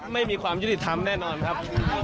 ไม่มีความยุติธรรมแน่นอนครับ